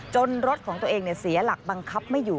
รถของตัวเองเสียหลักบังคับไม่อยู่